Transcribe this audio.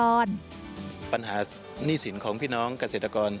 ปัญหาหนี้สินของพี่น้องเกษตรกร